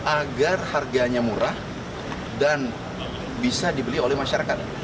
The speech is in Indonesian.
agar harganya murah dan bisa dibeli oleh masyarakat